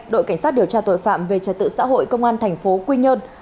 đội cảnh sát điều tra tội phạm về trật tự xã hội công an thành phố quy nhơn